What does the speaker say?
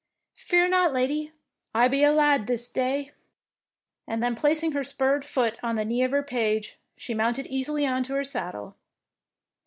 THE PBINCESS WINS Fear not, lady, I be a lad this day ''; and then placing her spurred foot on the knee of her page, she mounted easily into her saddle.